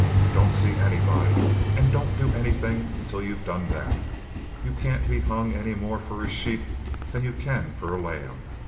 Don't see anybody and don't do anything till you've done that. You can't be hung any more for a sheep than you can for a lamb.